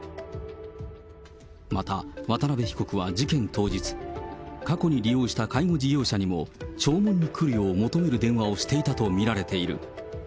また渡辺被告は事件当日、過去に利用した介護事業者にも、弔問に来るよう求める電話をしていたと見られる。